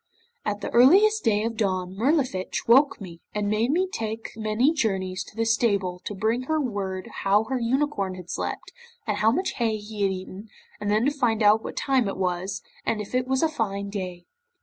'At the earliest dawn of day Mirlifiche woke me, and made me take many journeys to the stable to bring her word how her unicorn had slept, and how much hay he had eaten, and then to find out what time it was, and if it was a fine day.